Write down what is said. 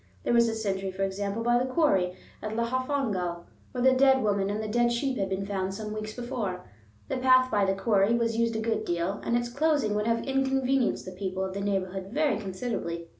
There was a sentry, for example, by the quarry at Llanfihangel, where the dead woman and the dead sheep had been found some weeks before. The path by the quarry was used a good deal, and its closing would have inconvenienced the people of the neighborhood very considerably.